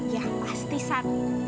ya pasti sat